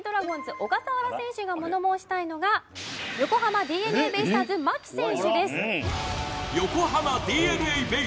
小笠原選手が物申したいのが横浜ＤｅＮＡベイスターズ牧選手です